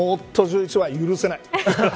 夫１１は許せない。